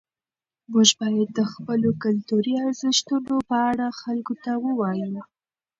موږ باید د خپلو کلتوري ارزښتونو په اړه خلکو ته ووایو.